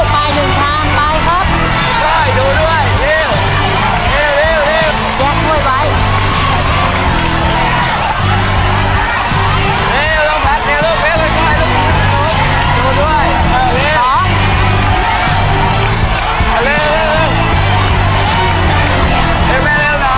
พัทเตียมซ้อนปัสเตียมซ้อน